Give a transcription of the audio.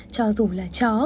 cho dù là chó